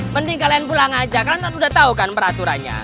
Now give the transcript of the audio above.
mending kalian pulang aja karena kan udah tau kan peraturannya